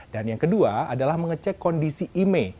dan yang kedua adalah mengecek kondisi imei